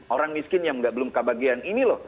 orang miskin yang belum kebagian ini loh